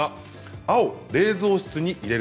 青冷蔵室に入れる。